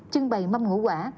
chưng bày mâm ngũ quả